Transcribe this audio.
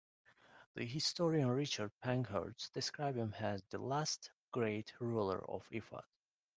The historian Richard Pankhurst describes him as the last great ruler of Ifat.